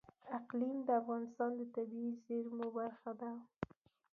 اقلیم د افغانستان د طبیعي زیرمو برخه ده.